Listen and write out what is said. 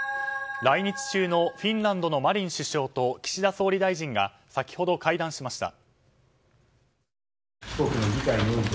来日中のフィンランドのマリン首相と岸田総理大臣が先ほど会談しました。